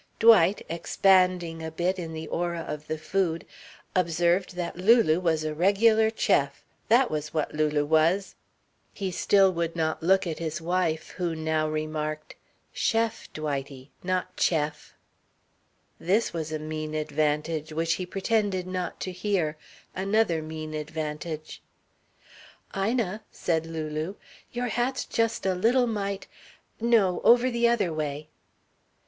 Dwight, expanding a bit in the aura of the food, observed that Lulu was a regular chef, that was what Lulu was. He still would not look at his wife, who now remarked: "Sheff, Dwightie. Not cheff." This was a mean advantage, which he pretended not to hear another mean advantage. "Ina," said Lulu, "your hat's just a little mite no, over the other way."